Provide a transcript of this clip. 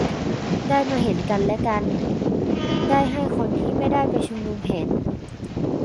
ได้มาเห็นกันและกัน ได้ให้คนที่ไม่ได้ไปชุมนุมเห็น